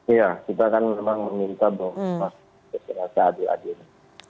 iya kita kan memang meminta bahwa kita serahkan adil adil